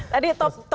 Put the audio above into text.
tadi top five nya tuh